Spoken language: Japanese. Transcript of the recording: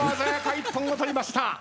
一本を取りました。